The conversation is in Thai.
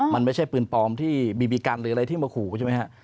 มันไม่ใช่ปืนปลอมที่บีบีกันหรืออะไรที่มาขู่ใช่ไหมฮะ